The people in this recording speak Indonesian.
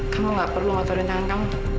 kamu gak perlu ngototin tangan kamu